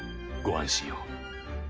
ご安心を。